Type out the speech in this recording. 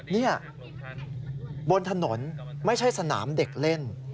นี่บนถนนไม่ใช่สนามเด็กเล่น